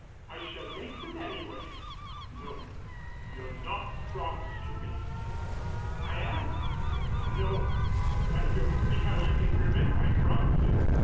"I shall make them anyway." "No, you're not promised to me." "I am." "No." "I don't see how you can prevent my promising.